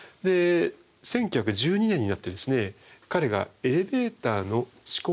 １９１２年になって彼がエレベーターの思考